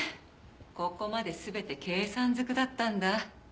ここまで全て計算ずくだったんだ。